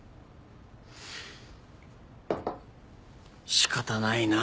仕方ないなぁ。